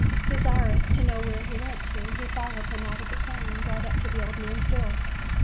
Desirous to know where he went to, he followed him out of the town right up to the old man's door.